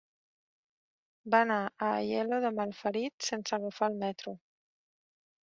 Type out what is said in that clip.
Va anar a Aielo de Malferit sense agafar el metro.